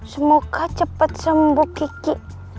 semoga cepat sembuh kiki